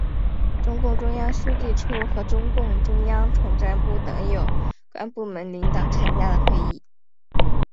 中共中央书记处和中共中央统战部等有关部门领导参加了会议。